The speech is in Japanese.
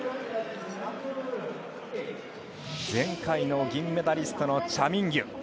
前回の銀メダリストのチャ・ミンギュ。